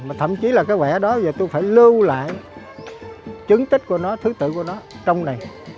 mà thậm chí là cái vẽ đó về tôi phải lưu lại chứng tích của nó thứ tự của nó trong này